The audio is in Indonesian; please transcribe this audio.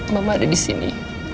mama ada di sini